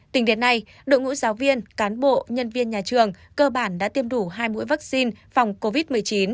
tính đến nay đội ngũ giáo viên cán bộ nhân viên nhà trường cơ bản đã tiêm đủ hai mũi vaccine phòng covid một mươi chín